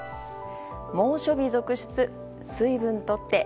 猛暑日続出、水分とって。